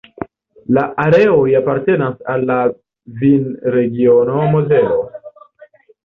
La areoj apartenas al la vinregiono Mozelo.